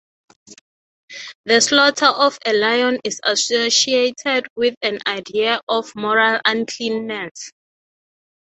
The slaughter of a lion is associated with an idea of moral uncleanness.